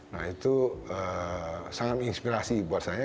nah itu sangat menginspirasi buat saya